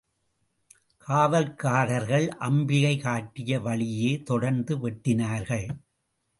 காவல்காரர்கள் அம்பிகை காட்டிய வழியே தொடர்ந்து வெட்டினார்கள்.